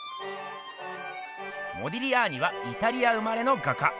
モディリアーニはイタリア生まれの画家。